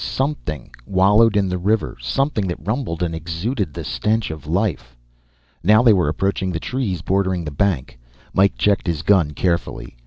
Something wallowed in the river; something that rumbled and exuded the stench of life. Now they were approaching the trees bordering the bank. Mike checked his gun carefully.